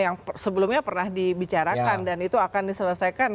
yang sebelumnya pernah dibicarakan dan itu akan diselesaikan